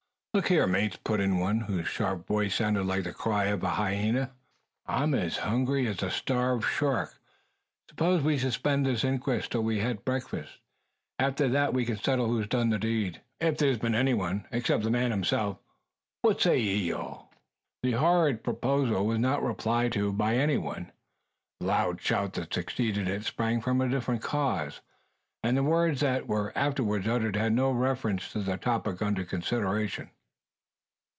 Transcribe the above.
"Look here, mates!" put in one, whose sharp voice sounded like the cry of a hyena, "I'm hungry as a starved shark. Suppose we suspend this inquest, till we've had breakfast. After that we can settle who's done the deed, if there's been anyone, except the man himself. What say ye all?" The horrid proposal was not replied to by anyone. The loud shout that succeeded it sprang from a different cause; and the words that were afterwards uttered had no reference to the topic under consideration.